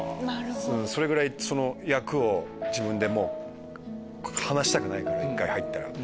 それぐらいその役を自分で離したくないから１回入ったら。